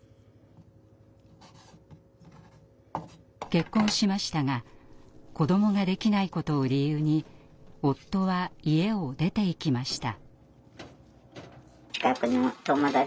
結婚しましたが子どもができないことを理由に夫は家を出ていきました。